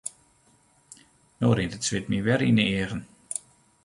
No rint it swit my wer yn 'e eagen.